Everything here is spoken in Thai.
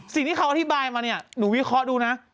สิ่งที่เขาอธิบายมาเนี่ยหนูวิเคราะห์ดูนะ